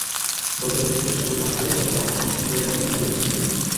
গতকাল বৃহস্পতিবার সকালে বাঁশখালীর আদালতে আত্মসমর্পণ করে জামিনের আবেদন করেন তিনি।